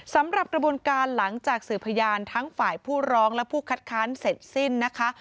สำหรับกระบวนการหลังจากสื่อพยานทั้งฝ่ายผู้ร้องและผู้คัดค้านเสร็จสิ้นนะคะ